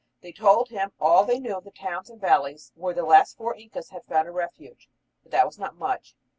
They told all they knew of the towns and valleys where the last four Incas had found a refuge, but that was not much.